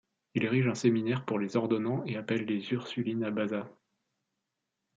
Il érige un séminaire pour les ordonnants et appelle les ursulines à Bazas.